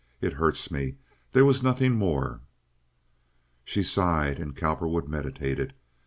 It hurts me. There was nothing more." She sighed, and Cowperwood meditated.